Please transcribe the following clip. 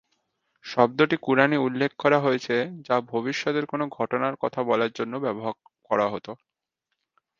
শব্দটি কুরআনে উল্লেখ করা হয়েছে যা ভবিষ্যতের কোনও ঘটনার কথা বলার জন্য ব্যবহার করা হত।